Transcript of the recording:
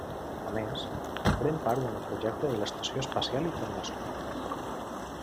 A més, pren part en el projecte de l'Estació Espacial Internacional.